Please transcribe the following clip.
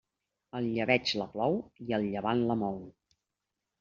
El llebeig la plou i el llevant la mou.